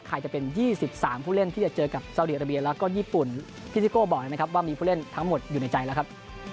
จะเป็น๒๓ผู้เล่นที่จะเจอกับสาวดีอาราเบียแล้วก็ญี่ปุ่นพี่ซิโก้บอกได้ไหมครับว่ามีผู้เล่นทั้งหมดอยู่ในใจแล้วครับ